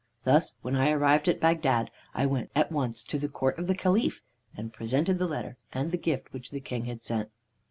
"Thus, when I arrived at Bagdad, I went at once to the court of the Caliph, and presented the letter and the gift which the King had sent.